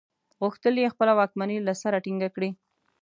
غوښتل یې خپله واکمني له سره ټینګه کړي.